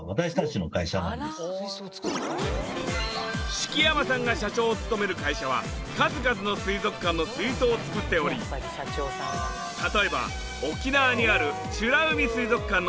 敷山さんが社長を務める会社は数々の水族館の水槽を造っており例えば沖縄にある美ら海水族館の巨大水槽や。